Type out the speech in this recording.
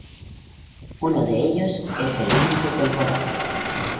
uno de ellos es el límite temporal